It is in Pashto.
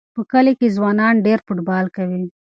په کلي کې ځوانان ډېر فوټبال کوي.